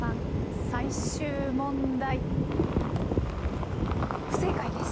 最終問題不正解です。